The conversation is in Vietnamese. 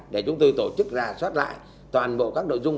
để chúng tôi tổ chức ra soát lại toàn bộ các nội dung